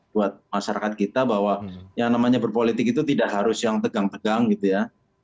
buat masyarakat kita bahwa yang namanya berpolitik itu tidak harus yang tegang tegang gitu ya